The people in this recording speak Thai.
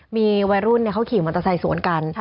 มีวัยรุ่นเขาขี่มอเตอร์ไซค์สวนกัน